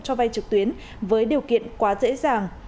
cho vay trực tuyến với điều kiện quá dễ dàng